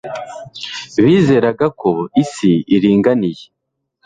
Bizeraga ko isi iringaniye